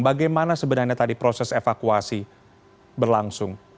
bagaimana sebenarnya tadi proses evakuasi berlangsung